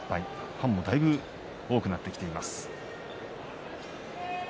ファンもだいぶ多くなってきています。